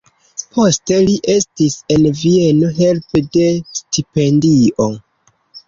Poste li estis en Vieno helpe de stipendio.